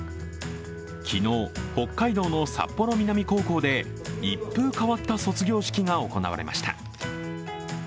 昨日、北海道の札幌南高校で一風変わった卒業式が行われました。